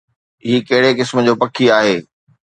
هي ڪهڙي قسم جو پکي آهي؟